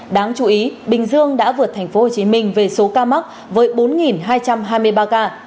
đáng chú ý bình dương đã vượt tp hcm về số ca mắc với bốn hai trăm hai mươi ba ca